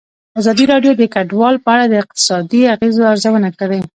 ازادي راډیو د کډوال په اړه د اقتصادي اغېزو ارزونه کړې.